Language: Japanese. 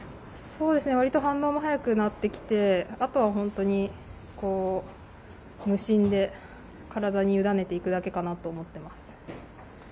割と反応も早くなってきてあとは、本当に無心で体に委ねていくだけかなと思います。